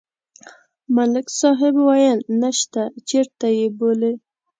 ملک صاحب ویل: نشته، چېرته یې بولي؟